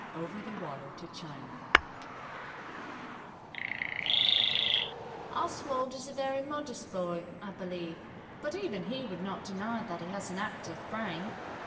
OVER THE WATER TO CHINA OSWALD is a very modest boy, I believe, but even he would not deny that he has an active brain.